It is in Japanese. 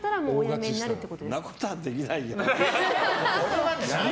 そんなことはできないよ。